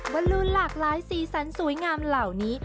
บอลลูนหลากหลายสีสันสวยงามเหล่านี้